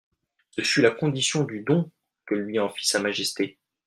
Ce fut la condition du don que lui en fit Sa Majesté.